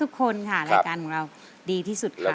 ทุกคนนี้ก็ส่งเสียงเชียร์ทางบ้านก็เชียร์ทางบ้านก็เชียร์